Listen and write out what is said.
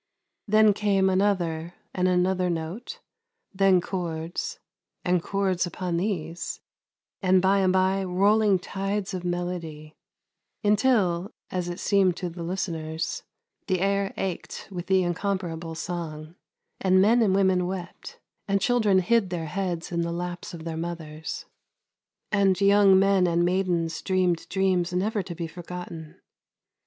Then came another, and another note, then chords, and chords upon these, and by and by rolHng tides of melody, until, as it seemed to the listeners, the air ached with the incomparable song; and men and women wept, and children hid their heads in the laps of their mothers, and young men and maidens dreamed dreams never to be forgotten.